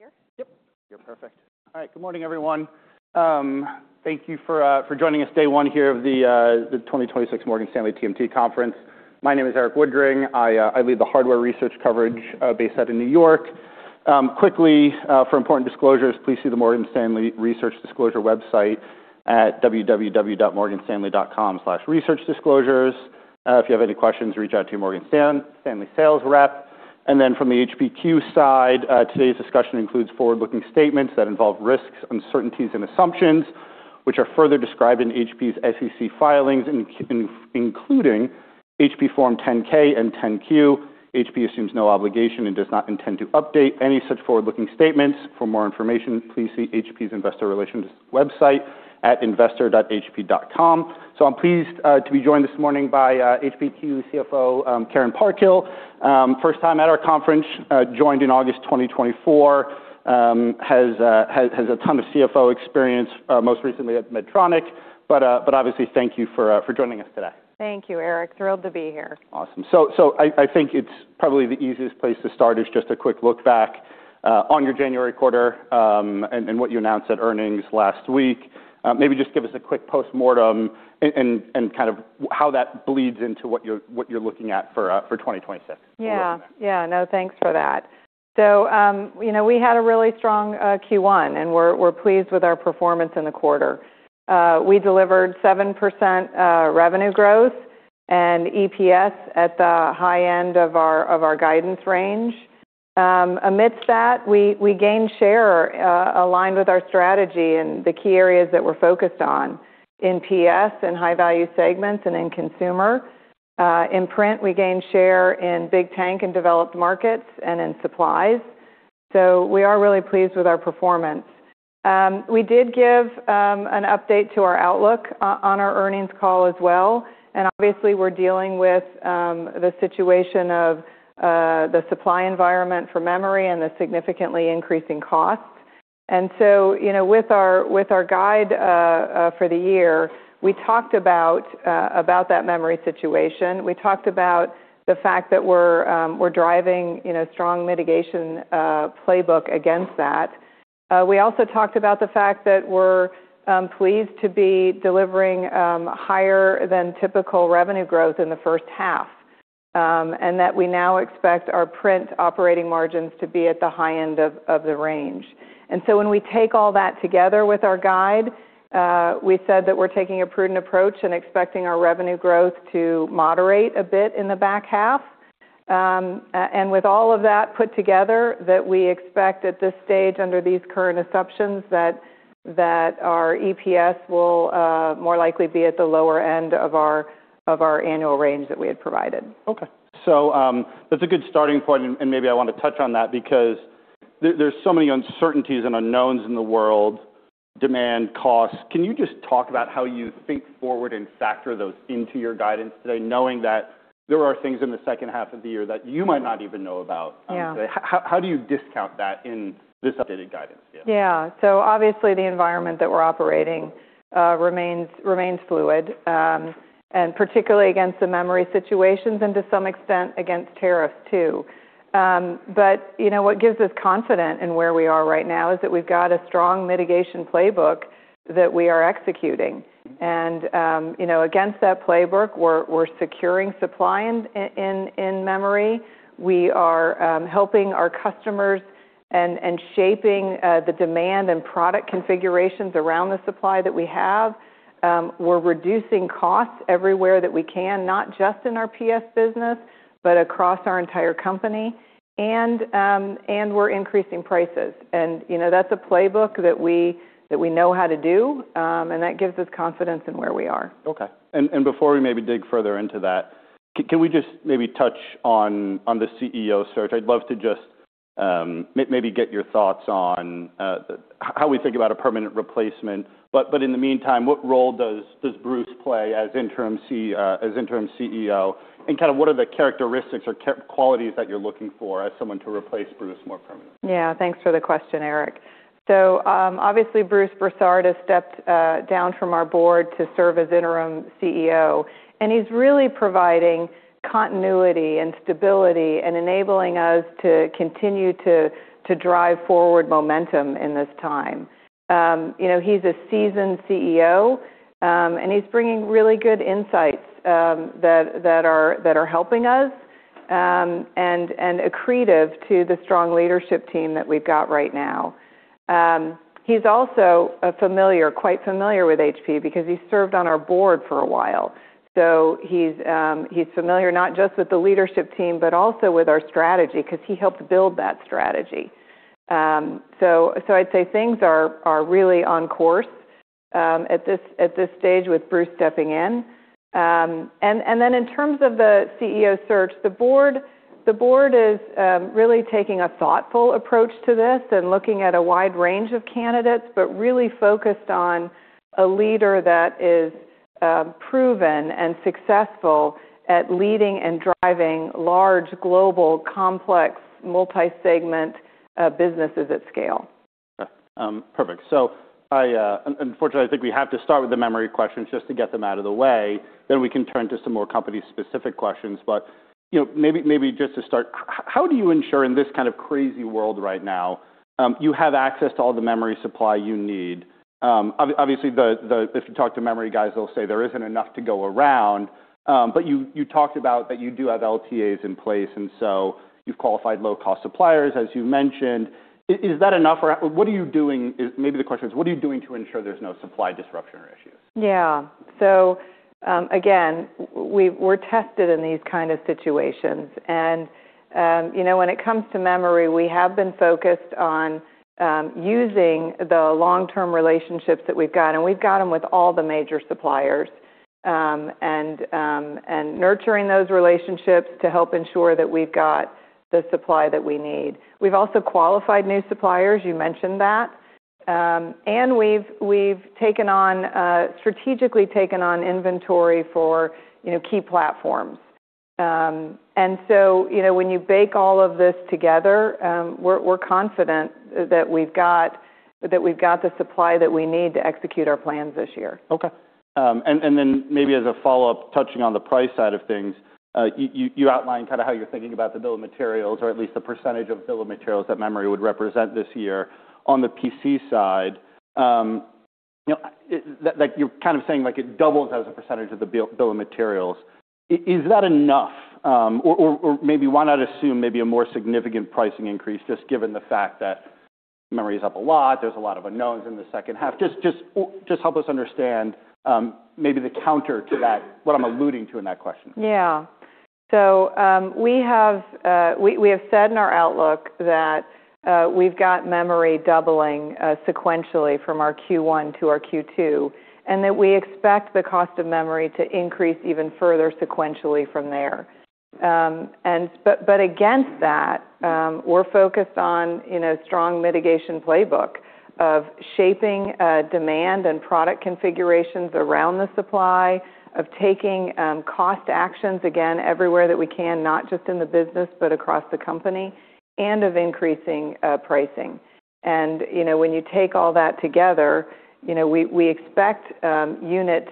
Right here? Yep. You're perfect. All right. Good morning, everyone. Thank you for joining us day one here of the 2026 Morgan Stanley TMT conference. My name is Erik Woodring. I lead the hardware research coverage based out of New York. Quickly, for important disclosures, please see the Morgan Stanley Research Disclosure website at www.morganstanley.com/researchdisclosures. If you have any questions, reach out to your Morgan Stanley sales rep. From the HPQ side, today's discussion includes forward-looking statements that involve risks, uncertainties and assumptions, which are further described in HP's SEC filings, including HP Form 10-K and 10-Q. HP assumes no obligation and does not intend to update any such forward-looking statements. For more information, please see HP's investor relations website at investor.hp.com. I'm pleased to be joined this morning by HPQ CFO, Karen Parkhill, first time at our conference, joined in August 2024, has a ton of CFO experience, most recently at Medtronic. Obviously thank you for joining us today. Thank you, Erik. Thrilled to be here. Awesome. I think it's probably the easiest place to start is just a quick look back on your January quarter, and what you announced at earnings last week. Maybe just give us a quick postmortem and kind of how that bleeds into what you're looking at for 2026. Yeah. Looking back. Yeah. No, thanks for that. You know, we had a really strong Q1, and we're pleased with our performance in the quarter. We delivered 7% revenue growth and EPS at the high end of our, of our guidance range. Amidst that, we gained share, aligned with our strategy in the key areas that we're focused on, in PS and high-value segments and in consumer. In print, we gained share in Big Tank and developed markets and in supplies. We are really pleased with our performance. We did give an update to our outlook on our earnings call as well. Obviously we're dealing with the situation of the supply environment for memory and the significantly increasing costs. You know, with our, with our guide for the year, we talked about about that memory situation. We talked about the fact that we're driving, you know, strong mitigation playbook against that. We also talked about the fact that we're pleased to be delivering higher than typical revenue growth in the first half, and that we now expect our print operating margins to be at the high end of the range. When we take all that together with our guide, we said that we're taking a prudent approach and expecting our revenue growth to moderate a bit in the back half. With all of that put together, that we expect at this stage, under these current assumptions, that our EPS will more likely be at the lower end of our annual range that we had provided. That's a good starting point, and maybe I want to touch on that because there's so many uncertainties and unknowns in the world, demand, costs. Can you just talk about how you think forward and factor those into your guidance today, knowing that there are things in the second half of the year that you might not even know about. Yeah. Today. How do you discount that in this updated guidance year? obviously the environment that we're operating remains fluid, and particularly against the memory situations and to some extent against tariffs too. You know, what gives us confident in where we are right now is that we've got a strong mitigation playbook that we are executing. You know, against that playbook, we're securing supply in memory. We are helping our customers and shaping the demand and product configurations around the supply that we have. We're reducing costs everywhere that we can, not just in our PS business, but across our entire company. We're increasing prices. You know, that's a playbook that we know how to do, and that gives us confidence in where we are. Okay. Before we maybe dig further into that, can we just maybe touch on the CEO search? I'd love to just maybe get your thoughts on how we think about a permanent replacement. In the meantime, what role does Bruce play as interim CEO, and kind of what are the characteristics or qualities that you're looking for as someone to replace Bruce more permanently? Yeah. Thanks for the question, Erik. Obviously, Bruce Broussard has stepped down from our board to serve as interim CEO, and he's really providing continuity and stability and enabling us to continue to drive forward momentum in this time. You know, he's a seasoned CEO, and he's bringing really good insights that are helping us and accretive to the strong leadership team that we've got right now. He's also quite familiar with HP because he served on our board for a while. He's familiar not just with the leadership team, but also with our strategy because he helped build that strategy. I'd say things are really on course at this stage with Bruce stepping in. In terms of the CEO search, the board is really taking a thoughtful approach to this and looking at a wide range of candidates, but really focused on a leader that is proven and successful at leading and driving large global complex multi-segment businesses at scale. Okay. perfect. I unfortunately, I think we have to start with the memory questions just to get them out of the way, then we can turn to some more company-specific questions. You know, maybe just to start, how do you ensure in this kind of crazy world right now, you have access to all the memory supply you need? Obviously, if you talk to memory guys, they'll say there isn't enough to go around. You talked about that you do have LTAs in place, you've qualified low-cost suppliers, as you mentioned. Is that enough? Or what are you doing? Maybe the question is, what are you doing to ensure there's no supply disruption or issues? Yeah. Again, we're tested in these kind of situations. You know, when it comes to memory, we have been focused on using the long-term relationships that we've got, and we've got them with all the major suppliers, and nurturing those relationships to help ensure that we've got the supply that we need. We've also qualified new suppliers, you mentioned that. And we've taken on, strategically taken on inventory for, you know, key platforms. You know, when you bake all of this together, we're confident that we've got the supply that we need to execute our plans this year. Okay. Then maybe as a follow-up, touching on the price side of things, you outline kind of how you're thinking about the bill of materials or at least the percentage of bill of materials that memory would represent this year on the PC side. You know, you're kind of saying, like, it doubles as a percentage of the bill of materials. Is that enough? Or maybe why not assume maybe a more significant pricing increase just given the fact that memory is up a lot, there's a lot of unknowns in the second half. Just help us understand, maybe the counter to that, what I'm alluding to in that question. We have said in our outlook that we've got memory doubling sequentially from our Q1 to our Q2, and that we expect the cost of memory to increase even further sequentially from there. But against that, we're focused on, you know, strong mitigation playbook of shaping demand and product configurations around the supply of taking cost actions, again, everywhere that we can, not just in the business, but across the company, and of increasing pricing. You know, when you take all that together, you know, we expect unit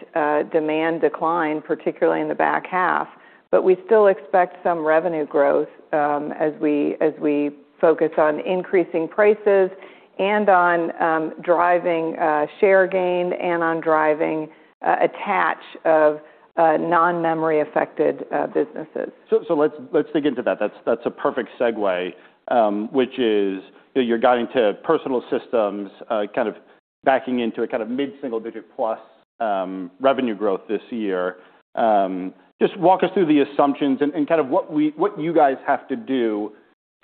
demand decline, particularly in the back half, but we still expect some revenue growth as we focus on increasing prices and on driving share gain and on driving attach of non-memory affected businesses. Let's dig into that. That's a perfect segue, which is that you're guiding to Personal Systems, kind of backing into a kind of mid-single digit plus revenue growth this year. Just walk us through the assumptions and kind of what you guys have to do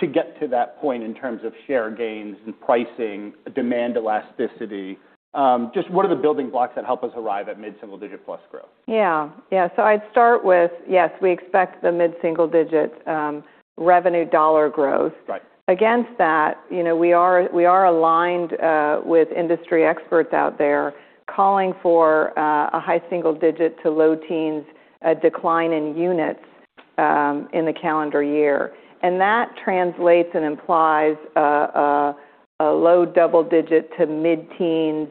to get to that point in terms of share gains and pricing, demand elasticity. Just what are the building blocks that help us arrive at mid-single digit plus growth? Yeah. Yeah. I'd start with, yes, we expect the mid-single digit revenue dollar growth. Right. Against that, you know, we are aligned with industry experts out there calling for a high single-digit to low-teens decline in units in the calendar year. That translates and implies a low double-digit to mid-teens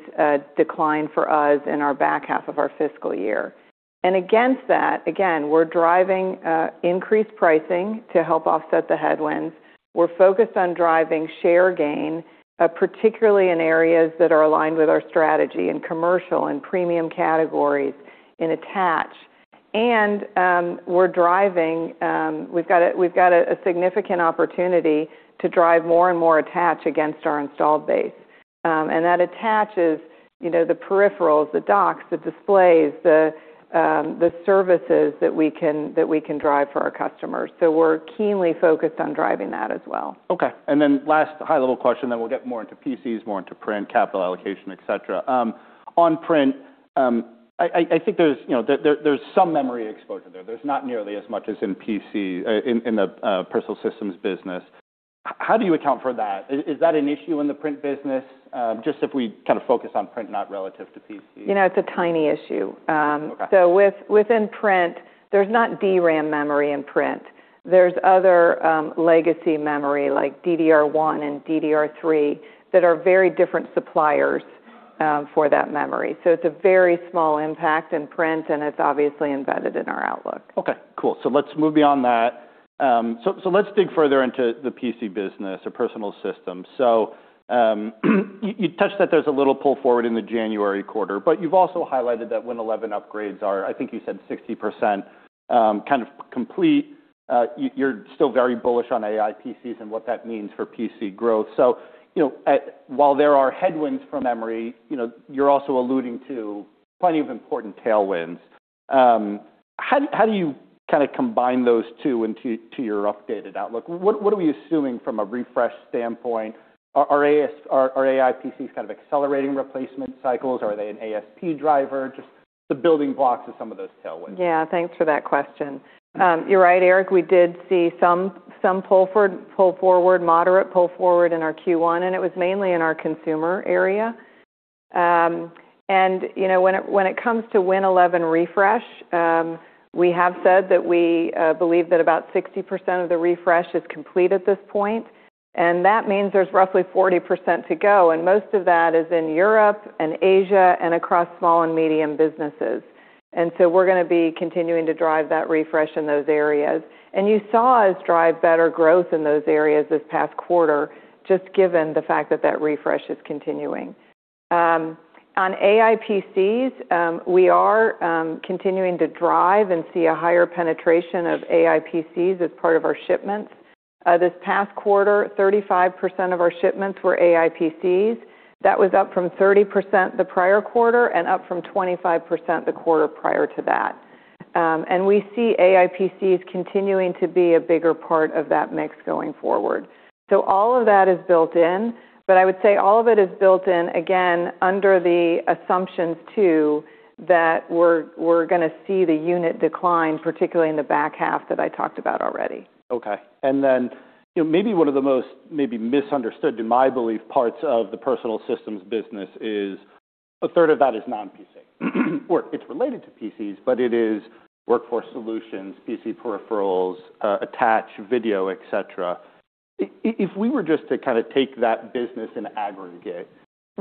decline for us in our back half of our fiscal year. Against that, again, we're driving increased pricing to help offset the headwinds. We're focused on driving share gain, particularly in areas that are aligned with our strategy in commercial and premium categories in attach. We're driving. We've got a significant opportunity to drive more and more attach against our installed base. That attach is, you know, the peripherals, the docks, the displays, the services that we can drive for our customers. We're keenly focused on driving that as well. Okay. Last high-level question, then we'll get more into PCs, more into print, capital allocation, et cetera. On print, I think there's, you know, some memory exposure there. There's not nearly as much as in the Personal Systems business. How do you account for that? Is that an issue in the print business? Just if we kind of focus on print, not relative to PC. You know, it's a tiny issue. Okay. Within print, there's not DRAM memory in print. There's other legacy memory like DDR1 and DDR3 that are very different suppliers for that memory. It's a very small impact in print, and it's obviously embedded in our outlook. Cool. Let's move beyond that. Let's dig further into the PC business or Personal Systems. You touched that there's a little pull forward in the January quarter, but you've also highlighted that Windows 11 upgrades are, I think you said 60%, kind of complete. You're still very bullish on AI PCs and what that means for PC growth. You know, while there are headwinds for memory, you know, you're also alluding to plenty of important tailwinds. How do you kinda combine those two into your updated outlook? What, what are we assuming from a refresh standpoint? Are AI PCs kind of accelerating replacement cycles? Are they an ASP driver? Just the building blocks of some of those tailwinds. Yeah. Thanks for that question. You're right, Erik. We did see some pull forward, moderate pull forward in our Q1, and it was mainly in our consumer area. You know, when it comes to Windows 11 refresh, we have said that we believe that about 60% of the refresh is complete at this point, and that means there's roughly 40% to go, and most of that is in Europe and Asia and across small and medium businesses. So we're gonna be continuing to drive that refresh in those areas. You saw us drive better growth in those areas this past quarter, just given the fact that that refresh is continuing. On AI PCs, we are continuing to drive and see a higher penetration of AI PCs as part of our shipments. This past quarter, 35% of our shipments were AI PCs. That was up from 30% the prior quarter and up from 25% the quarter prior to that. We see AI PCs continuing to be a bigger part of that mix going forward. All of that is built in, I would say all of that is built in, again, under the assumptions too that we're gonna see the unit decline, particularly in the back half that I talked about already. Okay. Then, you know, maybe one of the most maybe misunderstood, in my belief, parts of the Personal Systems business is a third of that is non-PC. It's related to PCs, but it is workforce solutions, PC peripherals, attach video, et cetera. If we were just to kinda take that business in aggregate,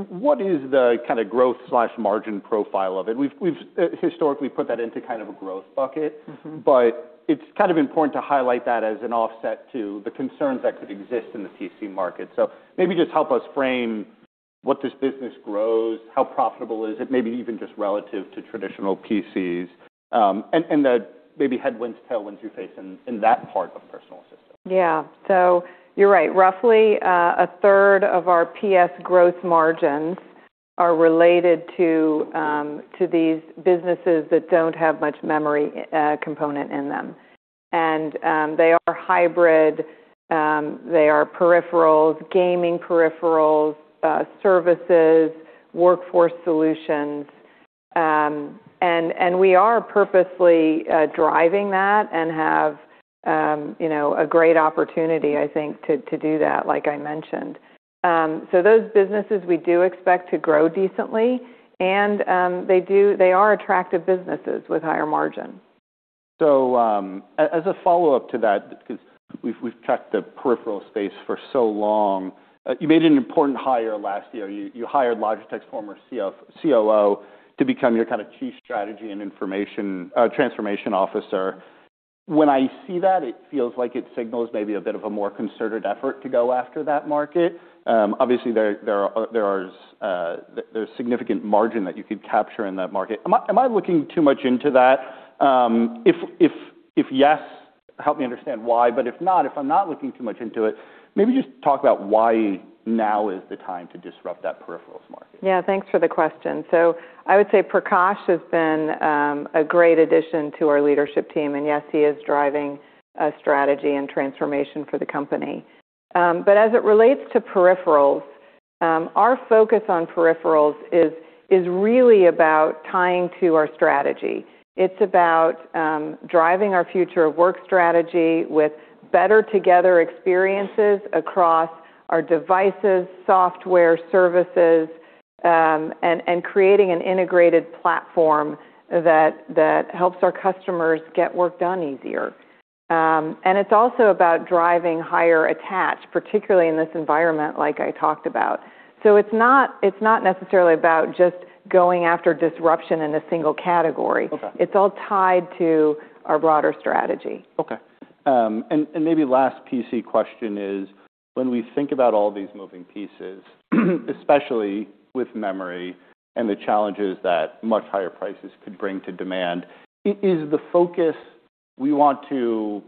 what is the kinda growth/margin profile of it? We've historically put that into kind of a growth bucket. Mm-hmm. It's kind of important to highlight that as an offset to the concerns that could exist in the PC market. Maybe just help us frame what this business grows, how profitable is it, maybe even just relative to traditional PCs, and the maybe headwinds, tailwinds you face in that part of Personal Systems? You're right. Roughly, a third of our PS growth margins are related to these businesses that don't have much memory component in them. They are hybrid, they are peripherals, gaming peripherals, services, workforce solutions. We are purposely driving that and have, you know, a great opportunity, I think to do that, like I mentioned. Those businesses we do expect to grow decently and, they are attractive businesses with higher margins. As a follow-up to that, because we've tracked the peripheral space for so long, you made an important hire last year. You hired Logitech's former COO to become your kinda Chief Strategy and Information Transformation Officer. When I see that, it feels like it signals maybe a bit of a more concerted effort to go after that market. Obviously, there are significant margin that you could capture in that market. Am I looking too much into that? If yes, help me understand why. If not, if I'm not looking too much into it, maybe just talk about why now is the time to disrupt that peripherals market. Yeah. Thanks for the question. I would say Prakash has been a great addition to our leadership team, and yes, he is driving a strategy and transformation for the company. As it relates to peripherals, our focus on peripherals is really about tying to our strategy. It's about driving our future of work strategy with better together experiences across our devices, software, services, and creating an integrated platform that helps our customers get work done easier. It's also about driving higher attach, particularly in this environment like I talked about. It's not necessarily about just going after disruption in a single category. Okay. It's all tied to our broader strategy. Okay. Maybe last PC question is, when we think about all these moving pieces, especially with memory and the challenges that much higher prices could bring to demand, is the focus we want to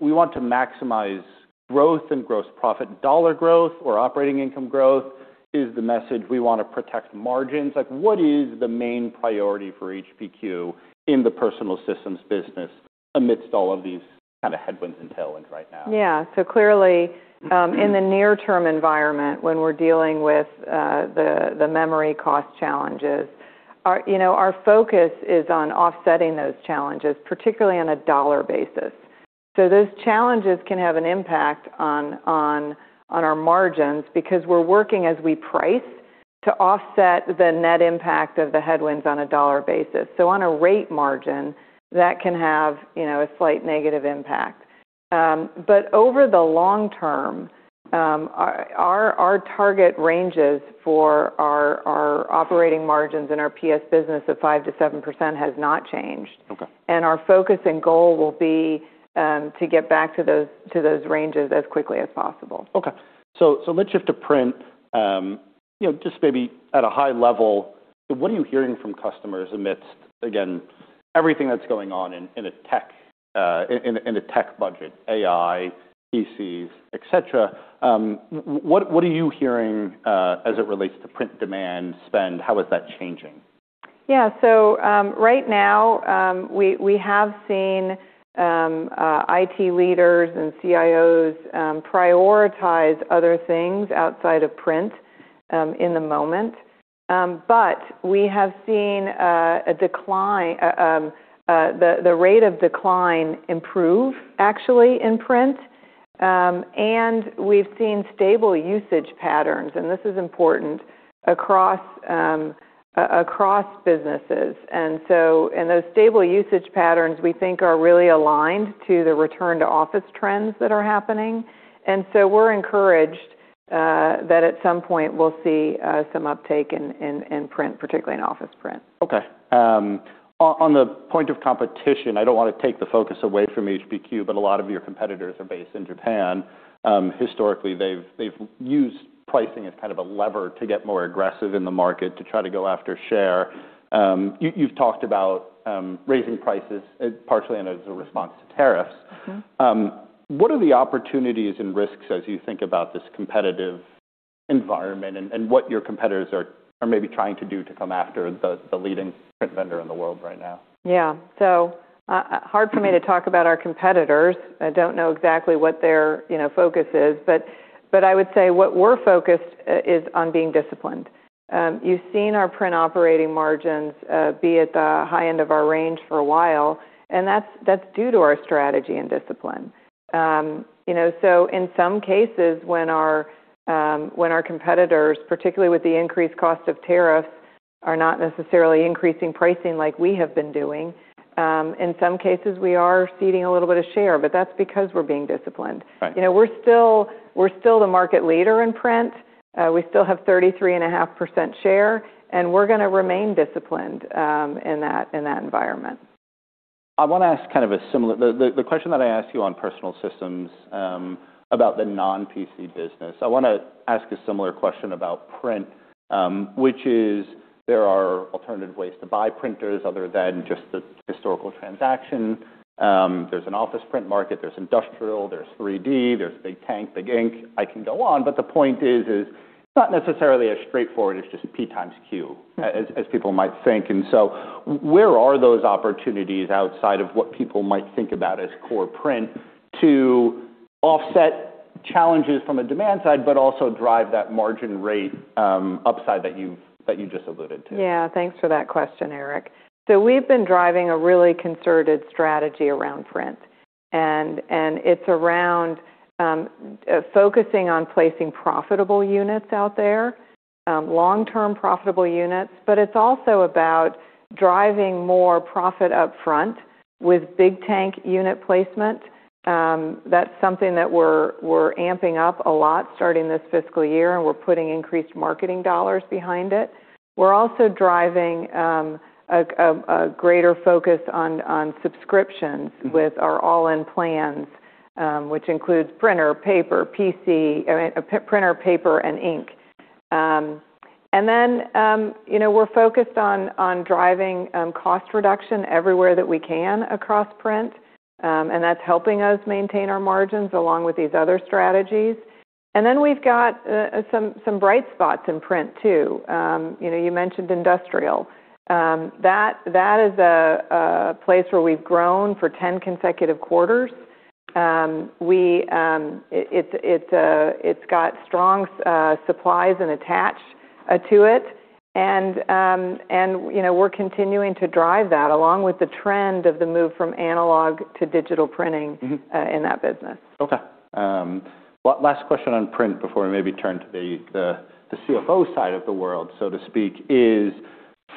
maximize growth and gross profit dollar growth or operating income growth? Is the message we wanna protect margins? Like, what is the main priority for HPQ in the Personal Systems business amidst all of these kind of headwinds and tailwinds right now? Yeah. Clearly, in the near term environment, when we're dealing with the memory cost challenges, our, you know, our focus is on offsetting those challenges, particularly on a dollar basis. Those challenges can have an impact on our margins because we're working as we price to offset the net impact of the headwinds on a dollar basis. On a rate margin, that can have, you know, a slight negative impact. Over the long term, our target ranges for our operating margins in our PS business of 5%-7% has not changed. Okay. Our focus and goal will be to get back to those ranges as quickly as possible. Okay. Let's shift to print. You know, just maybe at a high level, what are you hearing from customers amidst, again, everything that's going on in a tech budget, AI, PCs, et cetera? What are you hearing as it relates to print demand spend? How is that changing? Right now, we have seen IT leaders and CIOs prioritize other things outside of print in the moment. We have seen a decline, the rate of decline improve actually in print. We've seen stable usage patterns, and this is important across businesses. Those stable usage patterns, we think, are really aligned to the return-to-office trends that are happening. We're encouraged that at some point we'll see some uptake in print, particularly in office print. Okay. On the point of competition, I don't wanna take the focus away from HPQ, but a lot of your competitors are based in Japan. Historically they've used pricing as kind of a lever to get more aggressive in the market to try to go after share. You've talked about raising prices partially, and as a response to tariffs. Mm-hmm. What are the opportunities and risks as you think about this competitive environment and what your competitors are maybe trying to do to come after the leading print vendor in the world right now? Yeah. Hard for me to talk about our competitors. I don't know exactly what their, you know, focus is, but I would say what we're focused is on being disciplined. You've seen our print operating margins be at the high end of our range for a while, and that's due to our strategy and discipline. You know, in some cases when our competitors, particularly with the increased cost of tariffs, are not necessarily increasing pricing like we have been doing, in some cases, we are ceding a little bit of share, but that's because we're being disciplined. Right. You know, we're still the market leader in print. We still have 33.5% share, and we're gonna remain disciplined in that environment. I wanna ask The question that I asked you on Personal Systems about the non-PC business. I wanna ask a similar question about print, which is there are alternative ways to buy printers other than just the historical transaction. There's an office print market, there's industrial, there's 3D, there's Big Tank, big ink. I can go on, but the point is it's not necessarily as straightforward as just P x Q as people might think. Where are those opportunities outside of what people might think about as core print to offset challenges from a demand side, but also drive that margin rate upside that you just alluded to? Yeah. Thanks for that question, Erik. We've been driving a really concerted strategy around print, and it's around focusing on placing profitable units out there, long-term profitable units, but it's also about driving more profit up front with Big Tank unit placement. That's something that we're amping up a lot starting this fiscal year, and we're putting increased marketing dollars behind it. We're also driving a greater focus on subscriptions with our All-In Plan, which includes printer, paper, I mean, printer, paper, and ink. You know, we're focused on driving cost reduction everywhere that we can across print. That's helping us maintain our margins along with these other strategies. We've got some bright spots in print too. You know, you mentioned industrial. That is a place where we've grown for 10 consecutive quarters. It's got strong supplies and attach to it. You know, we're continuing to drive that along with the trend of the move from analog to digital printing. Mm-hmm... in that business. Okay. Last question on print before we maybe turn to the CFO side of the world, so to speak, is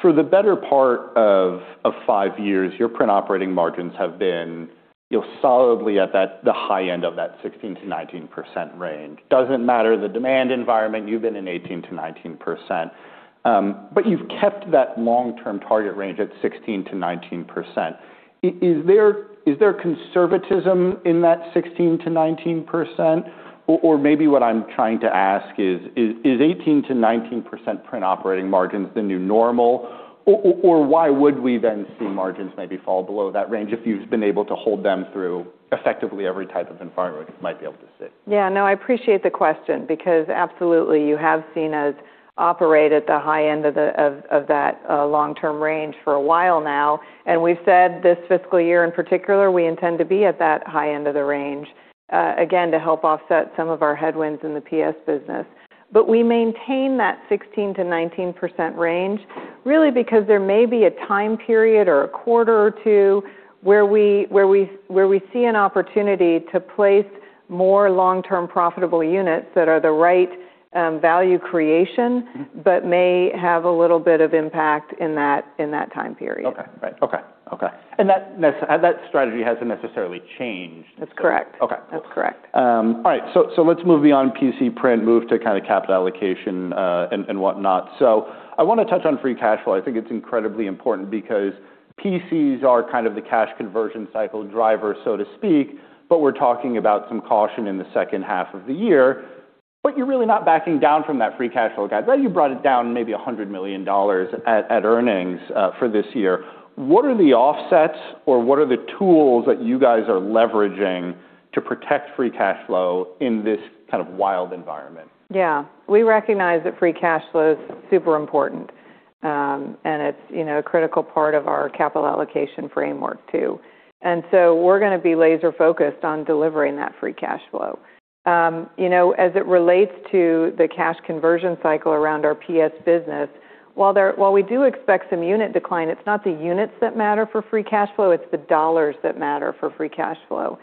for the better part of five years, your print operating margins have been, you know, solidly at the high end of that 16%-19% range. Doesn't matter the demand environment, you've been in 18%-19%. You've kept that long-term target range at 16%-19%. Is there conservatism in that 16%-19%? Or maybe what I'm trying to ask is 18%-19% print operating margins the new normal? Or why would we then see margins maybe fall below that range if you've been able to hold them through effectively every type of environment you might be able to see? Yeah, no, I appreciate the question because absolutely you have seen us operate at the high end of that long-term range for a while now. We've said this fiscal year in particular, we intend to be at that high end of the range again, to help offset some of our headwinds in the PS business. We maintain that 16%-19% range really because there may be a time period or a quarter or two where we see an opportunity to place more long-term profitable units that are the right value creation-. Mm-hmm. May have a little bit of impact in that, in that time period. Okay. Right. Okay. Okay. That strategy hasn't necessarily changed. That's correct. Okay, cool. That's correct. All right. Let's move beyond PC print, move to kinda capital allocation, and whatnot. I wanna touch on free cash flow. I think it's incredibly important because PCs are kind of the cash conversion cycle driver, so to speak, but we're talking about some caution in the second half of the year. You're really not backing down from that free cash flow guide. Right? You brought it down maybe $100 million at earnings for this year. What are the offsets or what are the tools that you guys are leveraging to protect free cash flow in this kind of wild environment? Yeah. We recognize that free cash flow is super important. And it's, you know, a critical part of our capital allocation framework too. We're gonna be laser-focused on delivering that free cash flow. You know, as it relates to the cash conversion cycle around our PS business, while we do expect some unit decline, it's not the units that matter for free cash flow, it's the dollars that matter for free cash flow.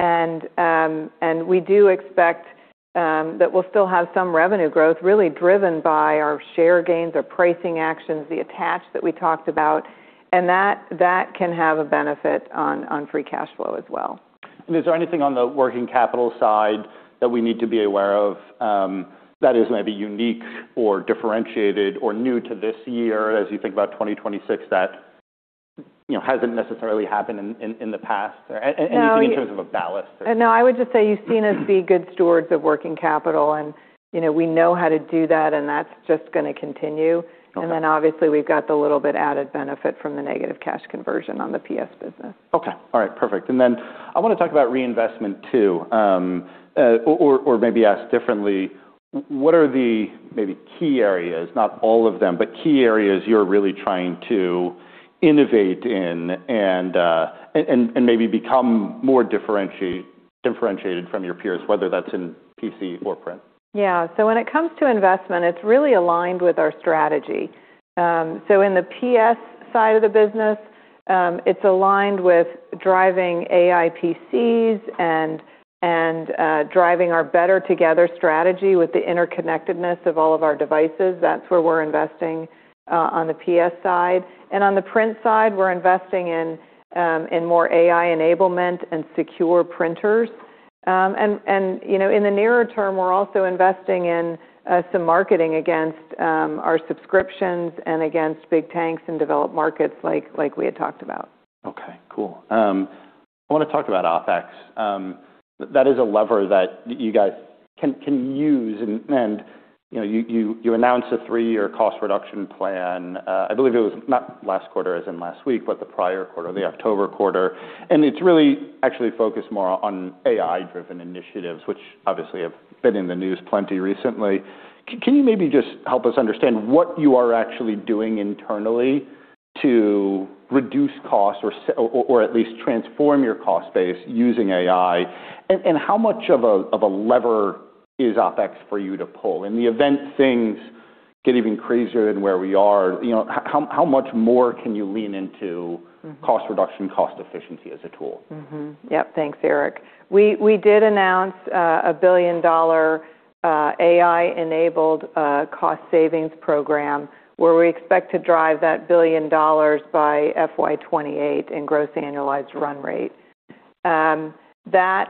We do expect that we'll still have some revenue growth really driven by our share gains, our pricing actions, the attach that we talked about, and that can have a benefit on free cash flow as well. Is there anything on the working capital side that we need to be aware of, that is maybe unique or differentiated or new to this year as you think about 2026 that, you know, hasn't necessarily happened in, in the past? Anything in terms of a balance? No, I would just say you've seen us be good stewards of working capital and, you know, we know how to do that, and that's just gonna continue. Okay. Obviously, we've got the little bit added benefit from the negative cash conversion on the PS business. Okay. All right. Perfect. Then I want to talk about reinvestment too, or maybe asked differently, what are the maybe key areas, not all of them, but key areas you're really trying to innovate in and maybe become more differentiated from your peers, whether that's in PC or print? When it comes to investment, it's really aligned with our strategy. In the PS side of the business, it's aligned with driving AI PCs and driving our better together strategy with the interconnectedness of all of our devices. That's where we're investing on the PS side. On the print side, we're investing in more AI enablement and secure printers. And, you know, in the nearer term, we're also investing in some marketing against our subscriptions and against Big Tanks in developed markets like we had talked about. Okay, cool. I want to talk about OpEx. That is a lever that you guys can use. You know, you announced a three-year cost reduction plan. I believe it was not last quarter, as in last week, but the prior quarter, the October quarter. It's really actually focused more on AI-driven initiatives, which obviously have been in the news plenty recently. Can you maybe just help us understand what you are actually doing internally to reduce costs or at least transform your cost base using AI? How much of a lever is OpEx for you to pull? In the event things get even crazier than where we are, you know, how much more can you lean into cost reduction, cost efficiency as a tool? Yep. Thanks, Erik. We did announce a billion-dollar AI-enabled cost savings program where we expect to drive that $1 billion by FY 2028 in gross annualized run rate.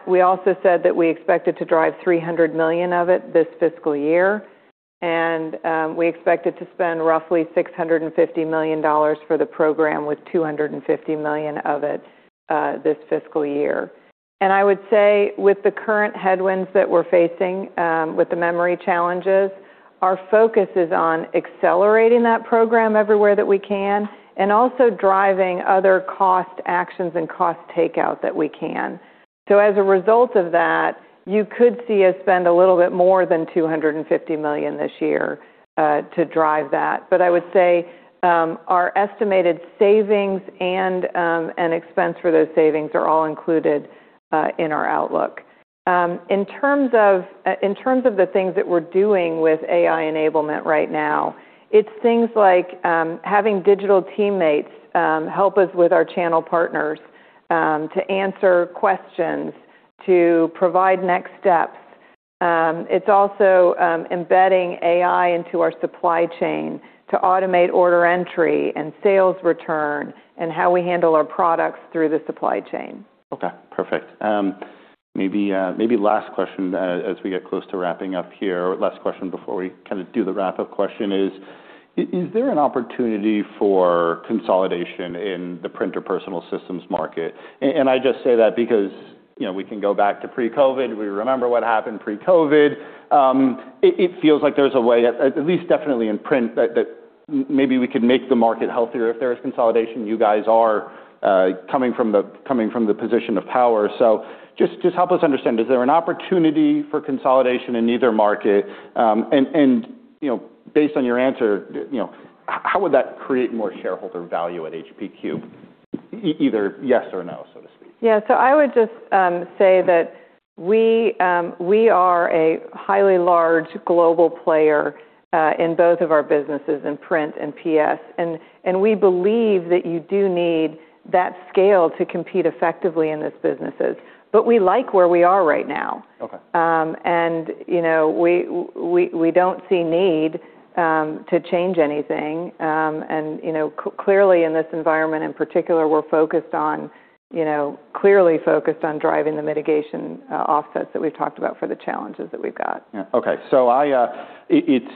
We also said that we expected to drive $300 million of it this fiscal year, and we expected to spend roughly $650 million for the program with $250 million of it this fiscal year. I would say with the current headwinds that we're facing, with the memory challenges, our focus is on accelerating that program everywhere that we can and also driving other cost actions and cost takeout that we can. As a result of that, you could see us spend a little bit more than $250 million this year to drive that. I would say, our estimated savings and expense for those savings are all included in our outlook. In terms of, in terms of the things that we're doing with AI enablement right now, it's things like having digital teammates help us with our channel partners to answer questions, to provide next steps. It's also embedding AI into our supply chain to automate order entry and sales return and how we handle our products through the supply chain. Okay, perfect. Maybe, maybe last question as we get close to wrapping up here, last question before we kind of do the wrap-up question is there an opportunity for consolidation in the printer Personal Systems market? I just say that because, you know, we can go back to pre-COVID. We remember what happened pre-COVID. It feels like there's a way, at least definitely in print, that maybe we could make the market healthier if there is consolidation. You guys are coming from the position of power. So just help us understand, is there an opportunity for consolidation in either market? You know, based on your answer, you know, how would that create more shareholder value at HP Inc.? Either yes or no, so to speak. Yeah. I would just say that we are a highly large global player, in both of our businesses in print and PS, and we believe that you do need that scale to compete effectively in these businesses. We like where we are right now. Okay. You know, we don't see need to change anything. You know, clearly in this environment, in particular, we're focused on, you know, clearly focused on driving the mitigation offsets that we've talked about for the challenges that we've got. Okay. I, it's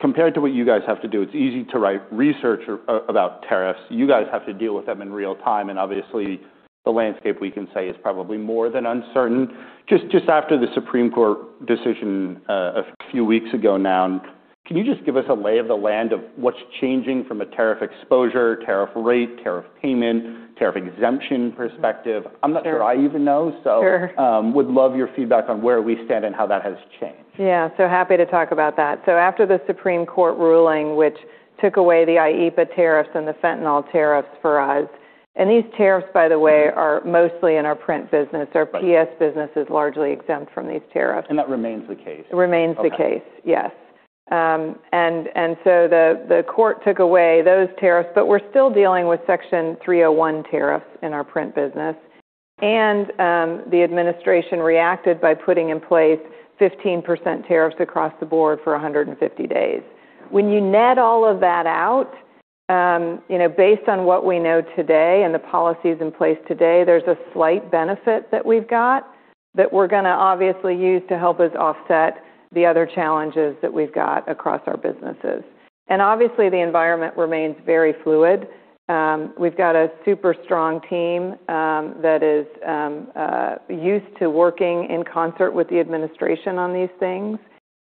compared to what you guys have to do, it's easy to write research about tariffs. You guys have to deal with them in real time, and obviously the landscape we can say is probably more than uncertain. Just after the Supreme Court decision a few weeks ago now, can you just give us a lay of the land of what's changing from a tariff exposure, tariff rate, tariff payment, tariff exemption perspective? Sure. I'm not sure I even know. Sure. Would love your feedback on where we stand and how that has changed. Yeah. Happy to talk about that. After the Supreme Court ruling, which took away the IEEPA tariffs and the fentanyl tariffs for us, these tariffs, by the way, are mostly in our print business. Right. Our PS business is largely exempt from these tariffs. That remains the case? Remains the case. Okay. Yes. The court took away those tariffs, but we're still dealing with Section 301 tariffs in our print business. The administration reacted by putting in place 15% tariffs across the board for 150 days. When you net all of that out, you know, based on what we know today and the policies in place today, there's a slight benefit that we've got that we're gonna obviously use to help us offset the other challenges that we've got across our businesses. Obviously, the environment remains very fluid. We've got a super strong team that is used to working in concert with the administration on these things.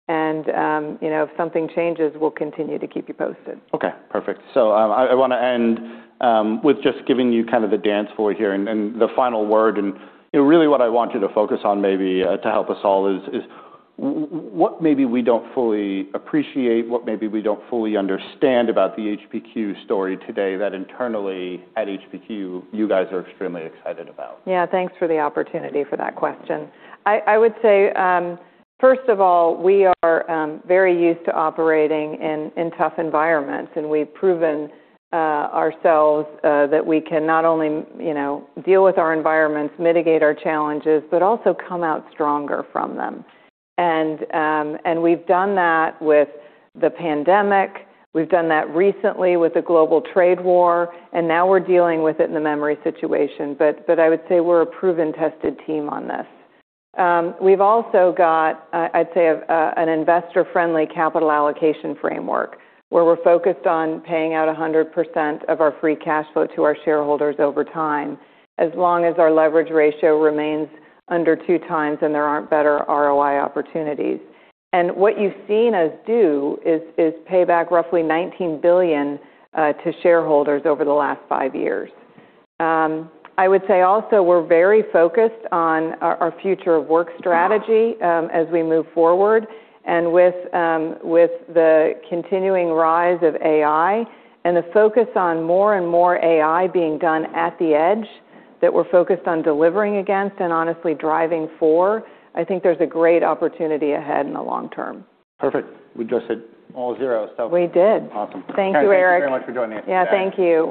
You know, if something changes, we'll continue to keep you posted. Okay, perfect. I wanna end with just giving you kind of the dance floor here and the final word. Really what I want you to focus on maybe to help us all is what maybe we don't fully appreciate, what maybe we don't fully understand about the HPQ story today that internally at HPQ you guys are extremely excited about? Yeah, thanks for the opportunity for that question. I would say, first of all, we are very used to operating in tough environments, and we've proven ourselves that we can not only, you know, deal with our environments, mitigate our challenges, but also come out stronger from them. We've done that with the pandemic, we've done that recently with the global trade war, and now we're dealing with it in the memory situation. I would say we're a proven, tested team on this. We've also got, I'd say, an investor-friendly capital allocation framework, where we're focused on paying out 100% of our free cash flow to our shareholders over time, as long as our leverage ratio remains under two times and there aren't better ROI opportunities. What you've seen us do is pay back roughly $19 billion to shareholders over the last five years. I would say also we're very focused on our future work strategy as we move forward. With the continuing rise of AI and the focus on more and more AI being done at the edge that we're focused on delivering against and honestly driving for, I think there's a great opportunity ahead in the long term. Perfect. We just hit all zeros, so. We did. Awesome. Thank you, Erik. Thanks very much for joining us. Yeah, thank you.